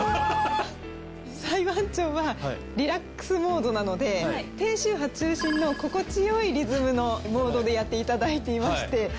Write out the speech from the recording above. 裁判長はリラックスモードなので低周波中心の心地よいリズムのモードでやっていただいていまして。